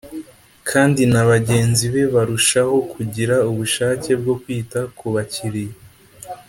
kandi na bagenzi be barushaho kugira ubushake bwo kwita ku bakiliya